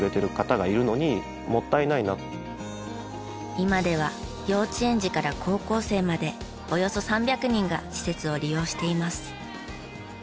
今では幼稚園児から高校生までおよそ３００人が施設を利用しています。